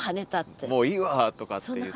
「もういいわ！」とかって言って。